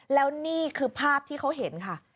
แล้วนี่คือภาพที่เขาเห็นค่ะ